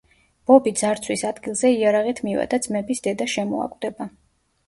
ბობი ძარცვის ადგილზე იარაღით მივა და ძმების დედა შემოაკვდება.